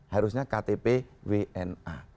harusnya ktp wna